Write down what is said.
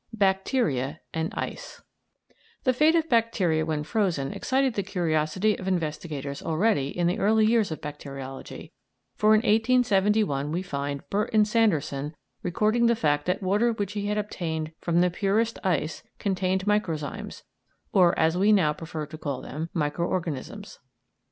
BACTERIA AND ICE The fate of bacteria when frozen excited the curiosity of investigators already in the early years of bacteriology, for in 1871 we find Burdon Sanderson recording the fact that water which he had obtained from the purest ice contained microzymes, or, as we now prefer to call them, micro organisms.